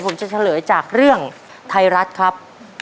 ผมจะเฉลยจากเรื่องไทยรัฐครับ